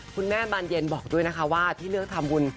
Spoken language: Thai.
บานเย็นบอกด้วยนะคะว่าที่เลือกทำบุญ